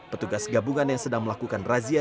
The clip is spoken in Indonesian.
petugas gabungan yang sedang melakukan razia